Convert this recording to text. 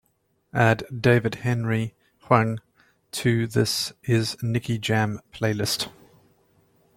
Add david henry hwang to the This Is Nicky Jam playlist.